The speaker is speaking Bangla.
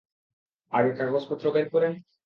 আগে কাগজপত্র বের করেন?